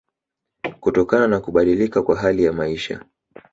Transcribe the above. kutokana na kubadilika kwa hali ya maisha